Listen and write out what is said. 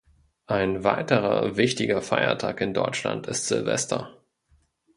Ein weiterer wichtiger Feiertag in Deutschland ist Silvester.